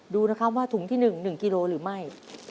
ดูนะครับว่าถุงที่๑๑กิโลหรือไม่